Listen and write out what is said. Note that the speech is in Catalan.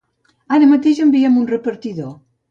Ara mateix enviem un repartidor.